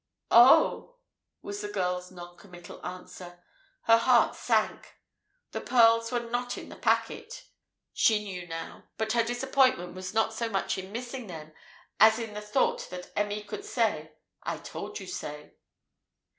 "Oh!" was the girl's noncommittal answer. Her heart sank. The pearls were not in the packet, she knew now, but her disappointment was not so much in missing them as in the thought that Emmy could say "I told you so!"